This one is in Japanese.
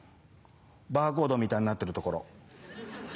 バーコードみたいになってる所。